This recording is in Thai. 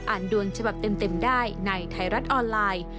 ดวงฉบับเต็มได้ในไทยรัฐออนไลน์